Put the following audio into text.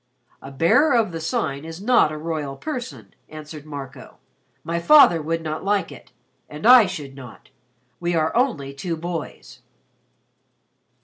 "A Bearer of the Sign is not a royal person," answered Marco. "My father would not like it and I should not. We are only two boys."